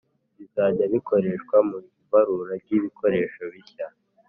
bizajya bikoreshwa mu ibarura ry ibikoresho bishya